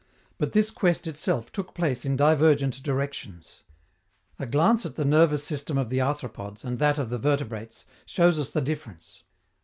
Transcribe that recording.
But this quest itself took place in divergent directions. A glance at the nervous system of the arthropods and that of the vertebrates shows us the difference.